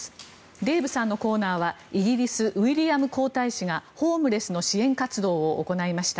デーブさんのコーナーはイギリス、ウィリアム皇太子がホームレスの支援活動を行いました。